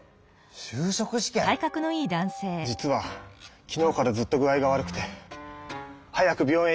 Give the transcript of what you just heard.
しゅうしょく試験⁉実は昨日からずっと具合が悪くて早く病院へ行きたいんです。